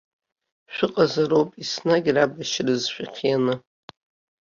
Шәыҟазароуп еснагь рабашьразы шәыхианы.